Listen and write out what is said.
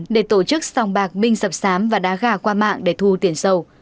để tổ chức song bạc binh sập sám và đá gà qua mạng để thu tiền sâu